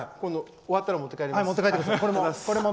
終わったら持って帰ります。